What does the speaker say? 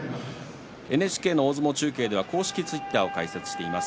ＮＨＫの大相撲中継公式ツイッターを開設しています。